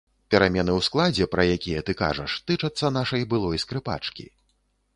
Перамены ў складзе, пра якія ты кажаш, тычацца нашай былой скрыпачкі.